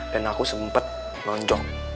dan aku sempet lonjong